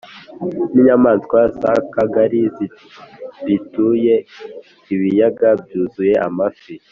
n’inyamaswa z’akangari zirituye, ibiyaga byuzuye amafi